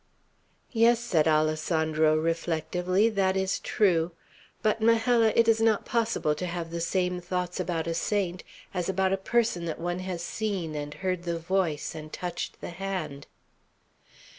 "Yes," said Alessandro, reflectively, "that is true. But, Majella, it is not possible to have the same thoughts about a saint as about a person that one has seen, and heard the voice, and touched the hand."